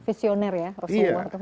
visioner ya rasulullah